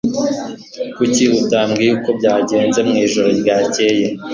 Kuki utambwira uko byagenze mwijoro ryakeye